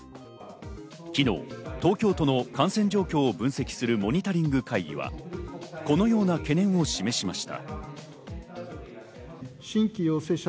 昨日、東京都の感染状況を分析するモニタリング会議は、このような懸念を示しました。